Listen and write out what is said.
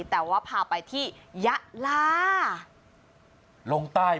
แต่ว่าพาไปที่ยะลาลงใต้